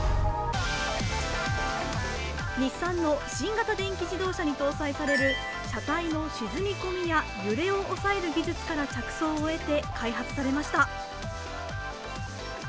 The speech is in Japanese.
日産の新型電気自動車に搭載される車体の沈み込みや揺れを抑える技術から着想を得て開発されました。